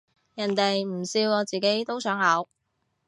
人哋唔笑我自己都想嘔